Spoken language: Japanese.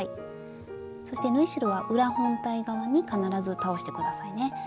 そして縫い代は裏本体側に必ず倒して下さいね。